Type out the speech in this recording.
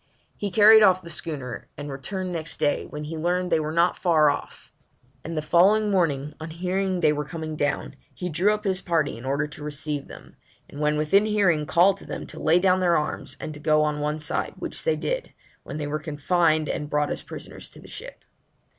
He carried off the schooner, and returned next day, when he learned they were not far off; and the following morning, on hearing they were coming down, he drew up his party in order to receive them, and when within hearing, called to them to lay down their arms and to go on one side, which they did, when they were confined and brought as prisoners to the ship.